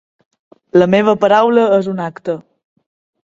La meva paraula és un acte.